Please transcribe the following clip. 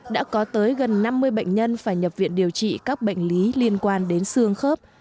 đã có tới gần năm mươi bệnh nhân phải nhập viện điều trị các bệnh lý liên quan đến xương khớp